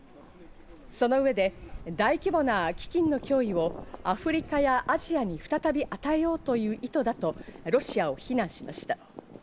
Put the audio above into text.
その上で、大規模な飢饉の脅威をアフリカやアジアに再び与えようという意図だと、ロシアを非難しました。